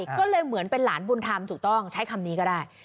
ก็เลยเหมือนเป็นหลานบุญธรรมถูกต้องใช้คำนี้ก็ได้